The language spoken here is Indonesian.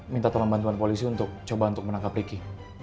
minta tolong bantuan polisi untuk menangkap rikki